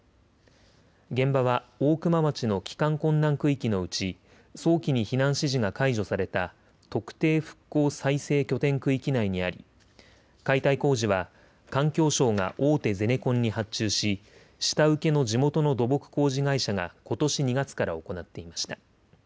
現場は大熊町の帰還困難区域のうち早期に避難指示が解除された特定復興再生拠点区域内にあり、解体工事は環境省が大手ゼネコンに発注し、下請けの地元の土木工事会社がことし２月から行っていました。